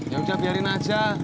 ya udah biarin aja